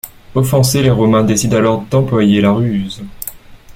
Offensés, les Romains décident alors d'employer la ruse.